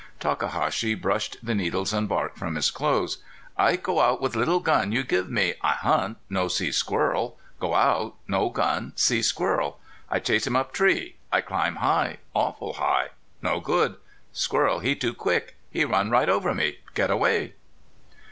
Takahashi brushed the needles and bark from his clothes. "I go out with little gun you give me. I hunt, no see squirrel. Go out no gun see squirrel. I chase him up tree I climb high awful high. No good. Squirrel he too quick. He run right over me get away."